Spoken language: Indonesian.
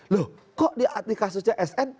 loh kok dia kasusnya sn